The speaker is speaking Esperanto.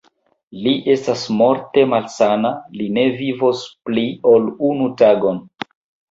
Li estas morte malsana, li ne vivos pli, ol unu tagon.